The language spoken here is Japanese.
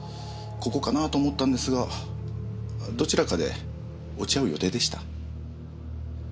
ここかなと思ったんですがどちらかで落ち合う予定でした？